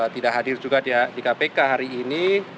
tidak hadir juga di kpk hari ini